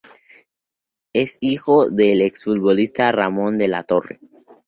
Es hijo del exfutbolista Ramón de la Torre.